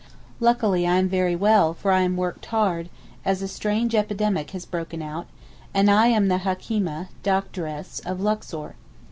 Luckily I am very well for I am worked hard, as a strange epidemic has broken out, and I am the Hakeemeh (doctress) of Luxor.